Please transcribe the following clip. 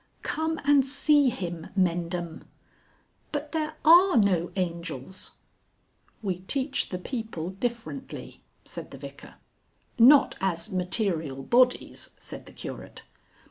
"Come and see him, Mendham!" "But there are no angels." "We teach the people differently," said the Vicar. "Not as material bodies," said the Curate.